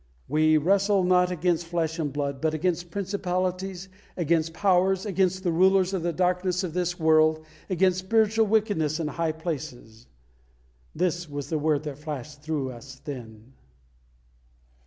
"We wrestle not against flesh and blood; but against principalities, against powers, against the rulers of the darkness of this world, against spiritual wickedness in high places" this was the word that flashed through us then.